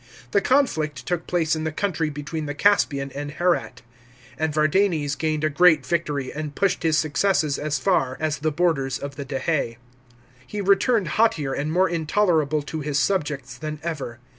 The conflict took place in the country between the Caspian and Herat; and Vardanes gained a great victory, and pushed his successes as far as the borders of the Dahse. He returned haughtier and more intolerable to his subjects than ever.